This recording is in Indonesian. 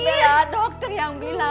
mela dokter yang bilang